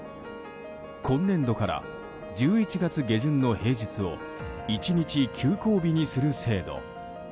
今年度から１１月下旬の平日を１日休校日にする制度。